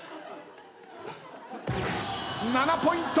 ⁉７ポイント。